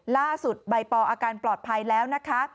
ใบปออาการปลอดภัยแล้วนะคะ